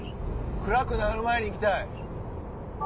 暗くなる前に行きたい。